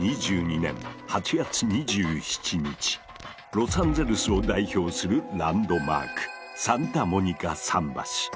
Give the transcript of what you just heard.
ロサンゼルスを代表するランドマークサンタモニカ桟橋。